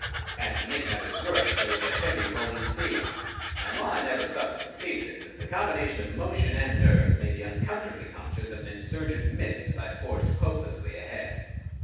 And to make matters worse there was a heavy rolling sea on, and, while I never suffer from seasickness, the combination of motion and nerves made me uncomfortably conscious of an insurgent midst as I forged hopelessly ahead.